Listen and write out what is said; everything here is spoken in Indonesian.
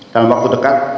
dalam waktu dekat